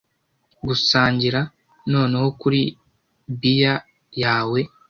gusangira; noneho kuri bier yawe